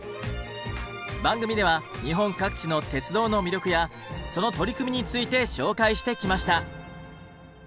番組では日本各地の鉄道の魅力やその取り組みについて紹介してきました。